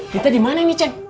kita dimana nih ceng